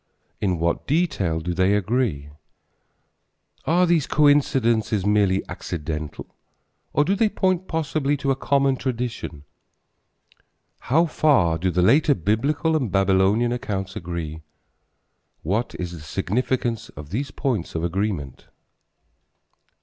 In what details do they agree? Are these coincidences merely accidental or do they point possibly to a common tradition? How far do the later Biblical and Babylonian accounts agree? What is the significance of these points of agreement?